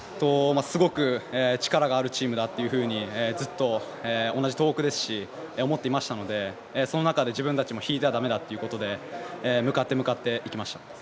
すごく力があるチームだというふうにずっと同じ東北ですし思っていましたのでその中で自分たちも引いてはだめだということで向かって向かっていきました。